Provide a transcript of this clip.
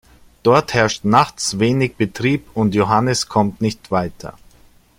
Dort herrscht nachts wenig Betrieb und Johannes kommt nicht weiter.